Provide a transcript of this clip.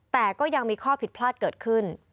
แต่ก็ยังมีข้อผิดพลาดเกิดขึ้น